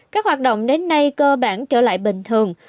các hoạt động đến nay cơ bản trở lại bình thường